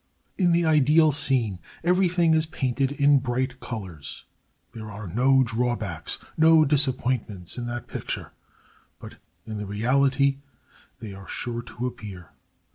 In the ideal scene every thing is painted in bright colors. There are no drawbacks, no disappointments, in that picture, but in the reality they are sure to appear.